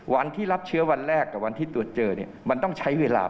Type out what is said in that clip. วันที่รับเชื้อวันแรกกับวันที่ตรวจเจอ